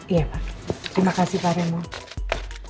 iya pak terima kasih pak remo